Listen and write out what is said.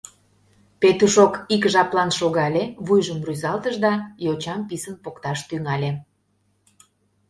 Петушок ик жаплан шогале, вуйжым рӱзалтыш да йочам писын покташ тӱҥале.